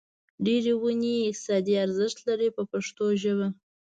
ډېرې ونې یې اقتصادي ارزښت لري په پښتو ژبه.